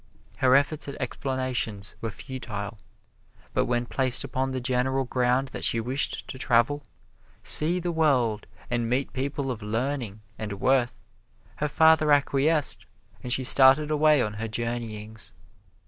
Her efforts at explanations were futile, but when placed upon the general ground that she wished to travel, see the world and meet people of learning and worth, her father acquiesced and she started away on her journeyings.